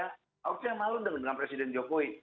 harusnya malu dong dengan presiden jokowi